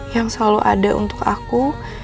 yang selalu ada untuk aku